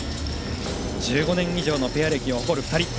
１５年以上のペア歴を誇る２人。